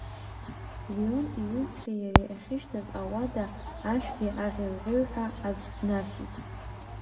Леон иҩызцәеи иареи ахьышьҭаз ауада ашәгьы аӷьеҩ-аӷьеҩҳәа аӡә днасит.